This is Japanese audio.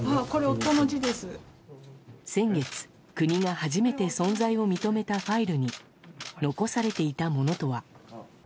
先月、国が初めて存在を認めたファイルに残されていたものとは。